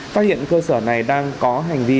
phát hiện cơ sở này đang có hành vi